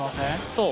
そう。